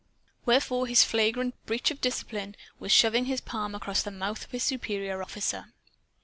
Wherefore his flagrant breach of discipline in shoving his palm across the mouth of his superior officer.